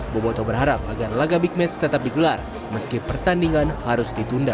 boboto berharap agar laga big match tetap digelar meski pertandingan harus ditunda